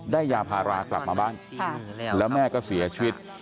ยาพารากลับมาบ้านแล้วแม่ก็เสียชีวิต